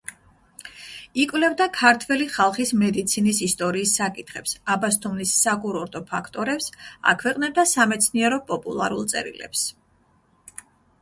იკვლევდა ქართველი ხალხის მედიცინის ისტორიის საკითხებს, აბასთუმნის საკურორტო ფაქტორებს; აქვეყნებდა სამეცნიერო–პოპულარულ წერილებს.